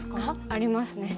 ありますね。